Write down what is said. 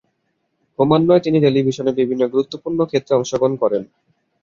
ক্রমান্বয়ে তিনি টেলিভিশনের বিভিন্ন গুরুত্বপূর্ণ ক্ষেত্রে অংশগ্রহণ করেন।